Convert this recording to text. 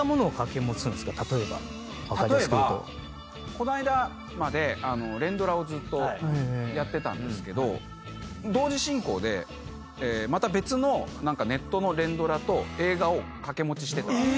この間まで連ドラをずっとやってたんですけど同時進行でまた別のネットの連ドラと映画を掛け持ちしてたんです。